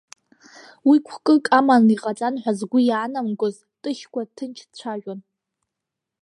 Уи қәкык аманы иҟаҵан ҳәа згәы иаанамгоз Ҭышькәа ҭынч дцәажәон.